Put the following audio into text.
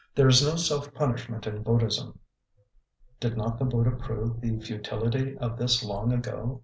There is no self punishment in Buddhism. Did not the Buddha prove the futility of this long ago?